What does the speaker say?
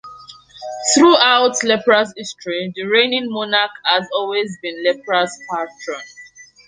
Throughout Lepra's history, the reigning monarch has always been Lepra's patron.